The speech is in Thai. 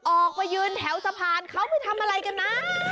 ออกไปยืนแถวสะพานเขาไปทำอะไรกันนะ